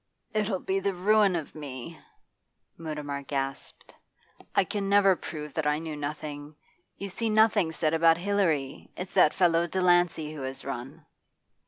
'It'll be the ruin of me!' Mutimer gasped. 'I can never prove that I knew nothing. You see, nothing's said about Hilary. It's that fellow Delancey who has run.